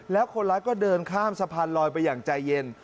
แล้วคนร้ายก็เดินข้ามสะพานลอยไปอย่างใจเย็น